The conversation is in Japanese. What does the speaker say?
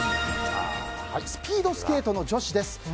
スピードスケートの女子です。